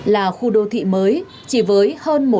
là khu đô thị mới chỉ với hơn